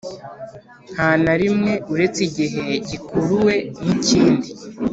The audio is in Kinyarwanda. ntanarimwe uretse igihe gikuruwe n’ikindi